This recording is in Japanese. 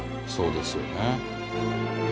そうですよね。